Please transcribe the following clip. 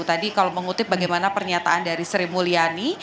tadi kalau mengutip bagaimana pernyataan dari sri mulyani